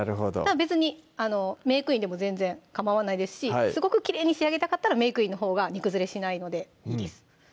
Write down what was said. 別にメークインでも全然かまわないですしすごくきれいに仕上げたかったらメークインのほうが煮崩れしないのでいいです